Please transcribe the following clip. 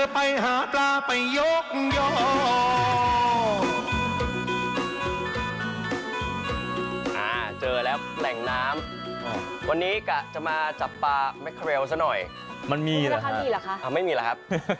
ไปไหนไปหน้าไปไหนหรือไปหาปลา